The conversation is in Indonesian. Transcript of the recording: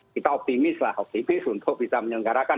kita optimis lah optimis untuk bisa menyelenggarakan